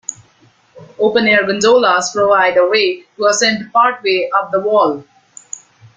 Open Air Gondolas provide a way to ascend partway up the wall.